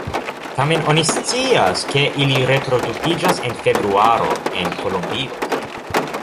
Tamen oni scias, ke ili reproduktiĝas en februaro en Kolombio.